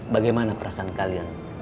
bagaimana perasaan kalian